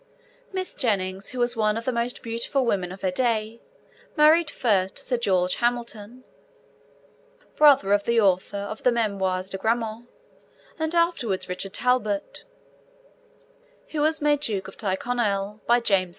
Miss Jennings, who was one of the most beautiful women of her day, married first Sir George Hamilton, brother of the author of the Memoires de Grammont, and afterwards Richard Talbot, who was made Duke of Tyrconnel by James II.